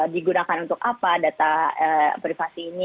digunakan untuk apa data privasi ini